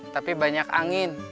tapi banyak angin